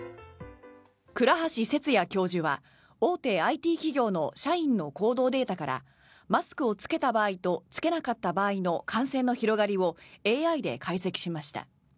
倉橋節也教授は大手ＩＴ企業の社員の行動データからマスクを着けた場合と着けなかった場合の感染の広がりをＡＩで解析しました。